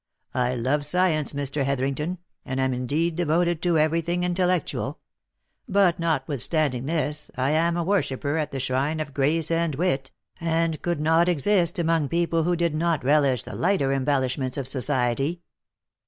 I love science, Mr. Hetherington, and am indeed devoted to every thing intellectual ; but, notwithstanding this, I am a worshipper at the shrine of grace and wit, and could not exist among people who did not relish the lighter embellish ments of society."